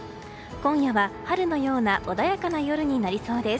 今夜は、春のような穏やかな夜になりそうです。